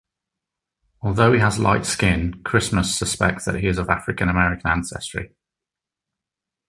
Although he has light skin, Christmas suspects that he is of African American ancestry.